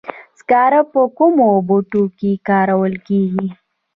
سکاره په کومو بټیو کې کارول کیږي؟